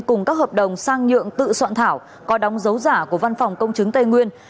cùng các hợp đồng sang nhượng tự soạn thảo có đóng dấu giả của văn phòng công chứng tây nguyên